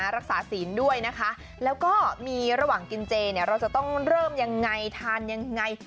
ศีลด้วยนะคะแล้วก็มีระหว่างกินเจเนี่ยเราจะต้องเริ่มยังไงทานยังไง